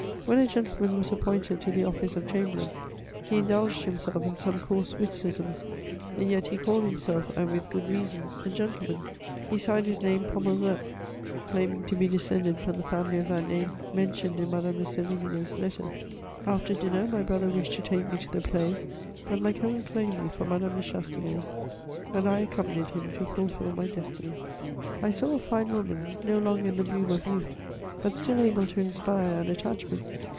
When a gentleman was appointed to the office of chamberlain, he indulged himself in some coarse witticisms ; and yet, he called himself, and with good reason, a gentleman. He signed his name Pommereux, claim ing to be descended from the family of that name mentioned in Madame de S^vign^s Letters. After dinner, my brother wished to take me to the play, but my cousin claimed me for Madame de Chastenay's, and I accompanied him to fulfil my destiny. I saw a fine woman, no longer in the bloom of youth, bu still able to inspire an attachment.